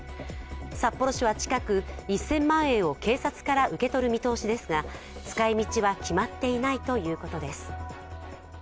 札幌市は近く、１０００万円を警察から受け取る見通しですが、使いみちは決まっていないということです。